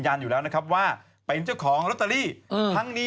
ขณะตอนอยู่ในสารนั้นไม่ได้พูดคุยกับครูปรีชาเลย